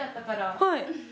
はい。